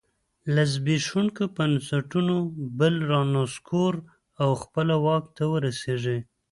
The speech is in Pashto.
له زبېښونکو بنسټونو بل رانسکور او خپله واک ته ورسېږي